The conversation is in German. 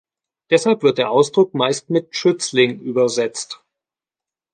Deshalb wird der Ausdruck meist mit „Schützling“ übersetzt.